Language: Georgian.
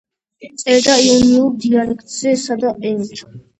წერდა იონიურ დიალექტზე, სადა ენით.